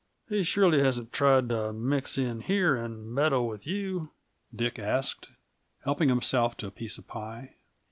"He surely hasn't tried to mix in here, and meddle with you?" Dick asked, helping himself to a piece of pie.